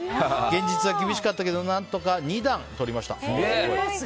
現実は厳しかったけど何とか二段とりました。